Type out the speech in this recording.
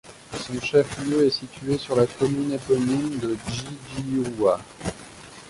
Son chef-lieu est situé sur la commune éponyme de Djidiouia.